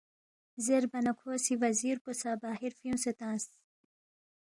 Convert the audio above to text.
زیربا نہ کھو سی وزیر پو سہ باہر فیُونگسے تنگس